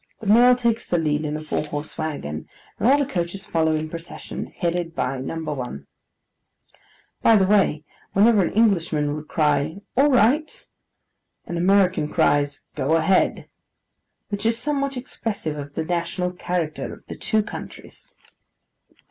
The mail takes the lead in a four horse waggon, and all the coaches follow in procession: headed by No. 1. By the way, whenever an Englishman would cry 'All right!' an American cries 'Go ahead!' which is somewhat expressive of the national character of the two countries.